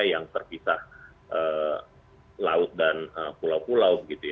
yang terpisah laut dan pulau pulau